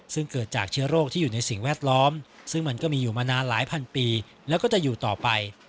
ซึ่งเกิดจากเชื้อโรคที่อยู่ในสิ่งแวดล้อมซึ่งมันก็มีอยู่มานานหลายพันปีแล้วก็จะอยู่ต่อไป